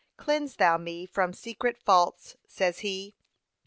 'Cleanse thou me from secret faults,' says he.